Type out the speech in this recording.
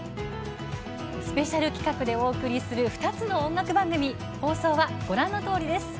スペシャル企画でお送りする２つの音楽番組放送は、ご覧のとおりです。